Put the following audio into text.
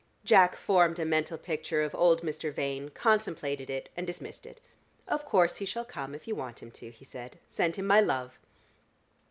Jack formed a mental picture of old Mr. Vane, contemplated it and dismissed it. "Of course he shall come if you want him to," he said. "Send him my love."